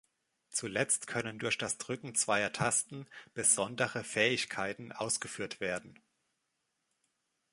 Zuletzt können durch das Drücken zweier Tasten „besondere Fähigkeiten“ ausgeführt werden.